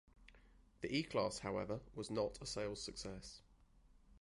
The E-Class however, was not a sales success.